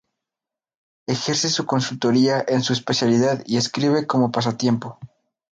Ejerce su consultoría en su especialidad y escribe como pasatiempo.